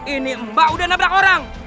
ini mbak udah nabrak orang